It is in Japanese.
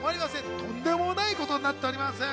とんでもないことになっております。